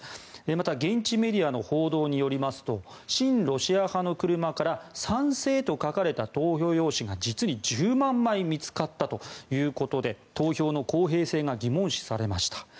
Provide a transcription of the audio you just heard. また、現地メディアの報道によりますと親ロシア派の車から賛成と書かれた投票用紙が実に１０万枚見つかったということで投票の公平性が疑問視されました。